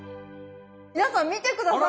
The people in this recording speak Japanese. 皆さん見て下さい！